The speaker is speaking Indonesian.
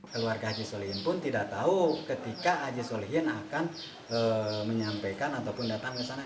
keluarga haji solihin pun tidak tahu ketika haji solihin akan menyampaikan ataupun datang ke sana